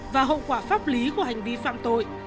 và hậu quả pháp lý của hành vi phạm tội